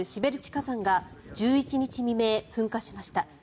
火山が１１日未明、噴火しました。